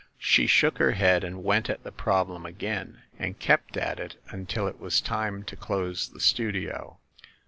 She shook her head and went at the problem again, and kept at it until it was time to close the studio.